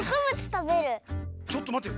ちょっとまってよ。